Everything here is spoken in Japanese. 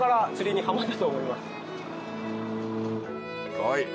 かわいい！